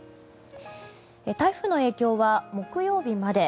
台風の影響は木曜日まで。